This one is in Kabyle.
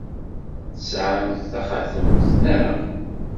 Tesɛam taxatemt, naɣ?